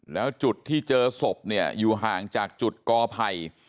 แล้วจุดที่เจอศพเนี่ยอยู่ห่างจากจุดกอไผ่